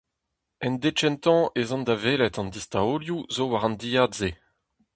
En deiz kentañ ez an da welet an distaolioù zo war an dilhad-se.